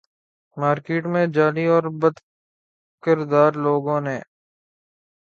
market میں جعلی اور بدکردار لوگوں نے